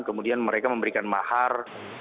kemudian mereka memberikan mahar